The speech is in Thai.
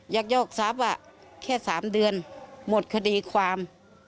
ักยอกทรัพย์แค่๓เดือนหมดคดีความ